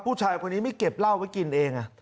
ผู้ชายคนนี้ไม่เก็บเหล้าไว้กินเอง